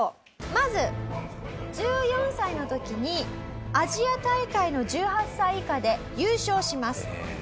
まず１４歳の時にアジア大会の１８歳以下で優勝します。